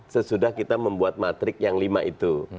sesudah kita membuat matrik yang lima itu